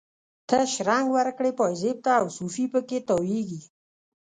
ته شرنګ ورکړي پایزیب ته، او صوفي په کې تاویږي